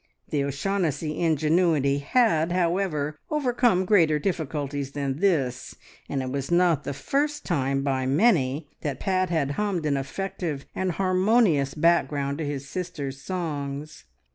The O'Shaughnessy ingenuity had, however, overcome greater difficulties than this, and it was not the first time by many that Pat had hummed an effective and harmonious background to his sister's songs.